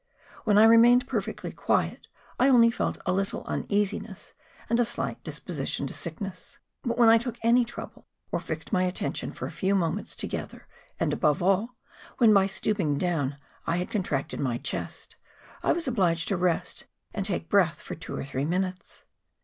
When I remained perfectly quiet, I only felt a little uneasiness and a sliglit disposition to sickness. But, when I took any trouble or fixed my attention for a few moments together, and above all, when by stooping down I had contracted my chest, I was obliged to rest, and take breath for two or three minutes.